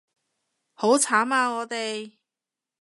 好慘啊我哋